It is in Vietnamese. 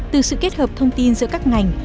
từ sự kết hợp thông tin giữa các ngành